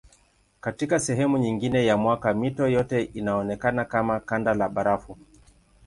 Katika sehemu nyingine ya mwaka mito yote inaonekana kama kanda la barafu.